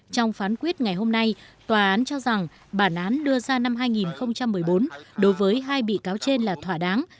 trong phán quyết ngày hôm nay tòa án cho rằng bản án đưa ra năm hai nghìn một mươi bốn đối với hai bị cáo trên là thỏa đáng